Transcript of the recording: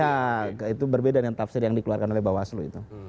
ya itu berbeda dengan tafsir yang dikeluarkan oleh bawaslu itu